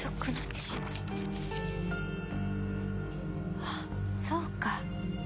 ああっそうか。